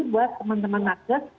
buat teman teman nakas